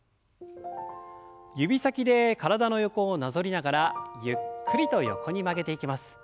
指先で体の横をなぞりながらゆっくりと横に曲げていきます。